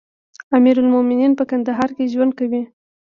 امير المؤمنين په کندهار کې ژوند کوي.